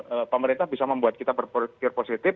sehingga pemerintah bisa membuat kita berpikir positif